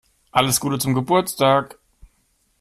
Alles Gute zum Geburtstag!